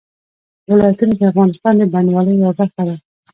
ولایتونه د افغانستان د بڼوالۍ یوه برخه ده.